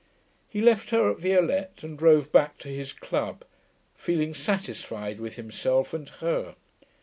He left her at Violette and drove back to his club, feeling satisfied with himself and her.